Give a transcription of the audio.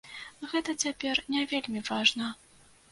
Гэта цяпер не вельмі важна.